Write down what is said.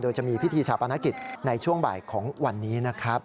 โดยจะมีพิธีชาปนกิจในช่วงบ่ายของวันนี้นะครับ